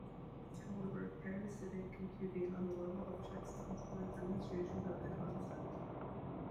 However, parasitic computing on the level of checksums is a demonstration of the concept.